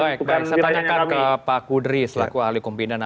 baik saya tanyakan ke pak kudri selaku ahli kumpidan